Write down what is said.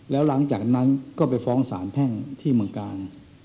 แล้วหลังจากนั้นก็ไปฟ้องสารแพ่งที่เมืองกาล